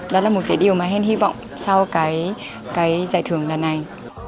đó là một cái điều mà hen hy vọng sau cái giải thưởng lần này